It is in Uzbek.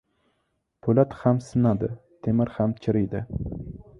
• Po‘lat ham sinadi, temir ham chiriydi.